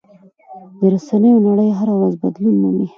د رسنیو نړۍ هره ورځ بدلون مومي.